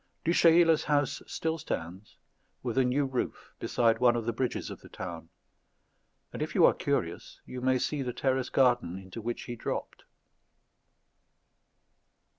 Du Chayla's house still stands, with a new roof, beside one of the bridges of the town; and if you are curious you may see the terrace garden into which he dropped.